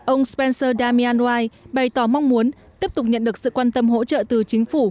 ông spencer damian white bày tỏ mong muốn tiếp tục nhận được sự quan tâm hỗ trợ từ chính phủ